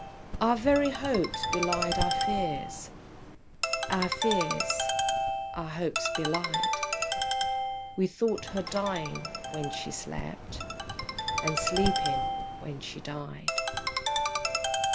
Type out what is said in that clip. Our very hopes belied our fears, Our fears our hopes belied We thought her dying when she slept, And sleeping when she died.